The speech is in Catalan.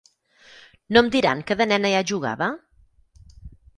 No em diran que de nena ja jugava?